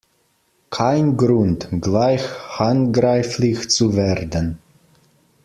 Kein Grund, gleich handgreiflich zu werden!